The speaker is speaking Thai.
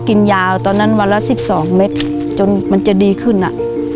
กินยาวตอนนั้นวันละ๑๒เมตรจนมันจะดีขึ้นอ่ะ